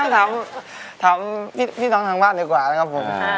ไอ้น้องหามถามพี่น้องทางบ้านเรียกกว่าครับ